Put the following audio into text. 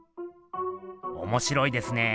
おもしろいですね。